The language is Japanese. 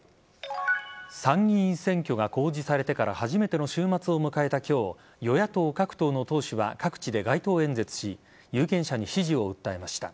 参議院選挙が公示されてから初めての週末を迎えた今日与野党各党の党首は各地で街頭演説し有権者に支持を訴えました。